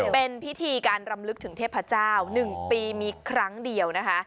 เป็นพิธีการรำลึกถึงเทพเจ้า๑ปีมีครั้งเดียวนะคะ